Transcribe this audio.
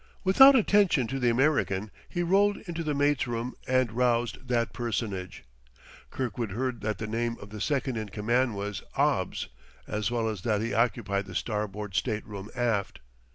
Without attention to the American he rolled into the mate's room and roused that personage. Kirkwood heard that the name of the second in command was 'Obbs, as well as that he occupied the starboard state room aft.